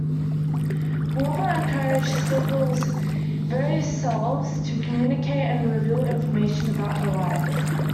Wilbur encouraged Sybil's various selves to communicate and reveal information about her life.